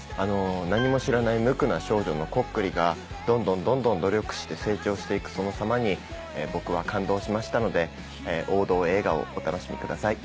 何も知らない無垢な少女のコックリがどんどんどんどん努力して成長していくその様に僕は感動しましたので王道映画をお楽しみください。